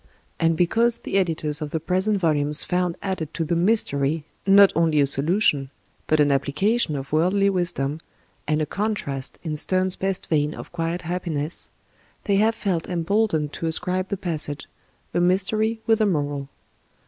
And because the editors of the present volumes found added to "The Mystery" not only a "Solution" but an "Application" of worldly wisdom, and a "Contrast" in Sterne's best vein of quiet happiness — ^they have felt emboldened to ascribe the passage "A Mystery with a Moral."